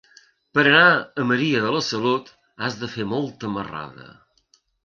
Per anar a Maria de la Salut has de fer molta marrada.